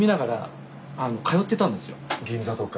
銀座とか。